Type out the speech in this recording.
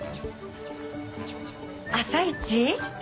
朝市？